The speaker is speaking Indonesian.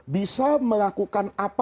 bisa melakukan apa